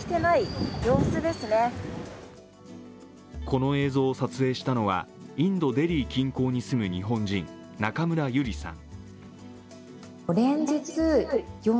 この映像を撮影したのはインド・デリー近郊に住む日本人、中村ゆりさん。